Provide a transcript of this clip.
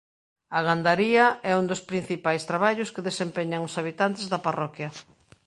A gandaría é un dos principais traballos que desempeñan os habitantes da parroquia.